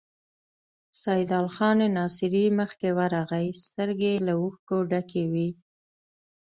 سيدال خان ناصري مخکې ورغی، سترګې يې له اوښکو ډکې وې.